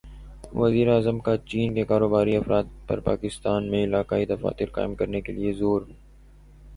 وزیراعظم کا چین کے کاروباری افراد پر پاکستان میں علاقائی دفاتر قائم کرنے کیلئے زور